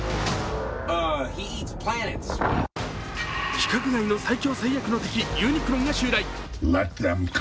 規格外の最強・最悪の敵ユニクロンが襲来。